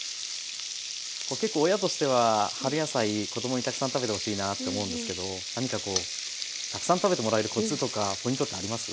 結構親としては春野菜子供にたくさん食べてほしいなって思うんですけど何かたくさん食べてもらえるコツとかポイントってあります？